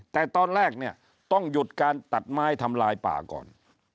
แต่ตอนแรกเนี่ยต้องหยุดการตัดไม้ทำลายป่าก่อน